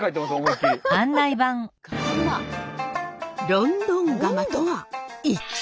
ロンドンガマとは一体？